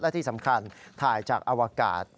และที่สำคัญถ่ายจากอวกาศ